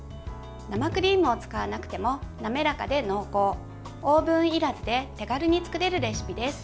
生クリームを使わなくても滑らかで濃厚オーブンいらずで手軽に作れるレシピです。